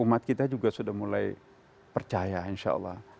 umat kita juga sudah mulai percaya insya allah